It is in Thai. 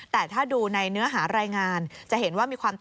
แต่ถ้าดูในเนื้อหารายงาน